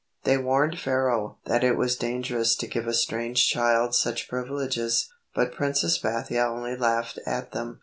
They warned Pharaoh that it was dangerous to give a strange child such privileges, but Princess Bathia only laughed at them.